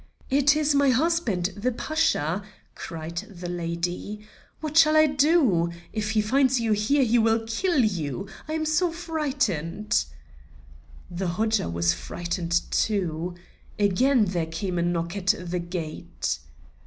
"It is my husband, the Pasha," cried the lady. "What shall I do? If he finds you here, he will kill you! I am so frightened." The Hodja was frightened too. Again there came a knock at the gate.